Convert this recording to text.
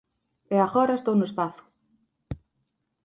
E agora, estou no espazo.